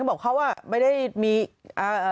นั่งสวยนะ